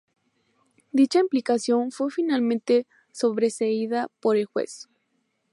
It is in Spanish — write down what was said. Dicha implicación fue finalmente sobreseída por el juez.